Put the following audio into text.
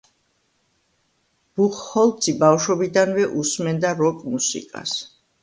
ბუხჰოლცი ბავშვობიდანვე უსმენდა როკ მუსიკას.